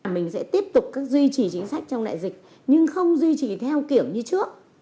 mình sẽ tiếp tục duy trì chính sách trong đại dịch nhưng không duy trì theo kiểu như trước